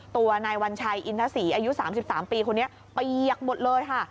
ตัวนายวัญชัยอินทศรีอายุ๓๓ปีคนนี้เปียกหมดเลยค่ะ